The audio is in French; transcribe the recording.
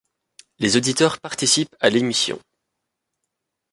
Les auditeurs participent à l'émission.